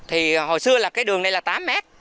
hồi xưa đường này là tám mét